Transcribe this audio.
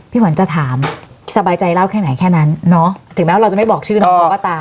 ขวัญจะถามสบายใจเล่าแค่ไหนแค่นั้นเนาะถึงแม้ว่าเราจะไม่บอกชื่อน้องเขาก็ตาม